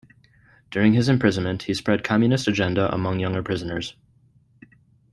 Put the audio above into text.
During his imprisonment he spread communist agenda among younger prisoners.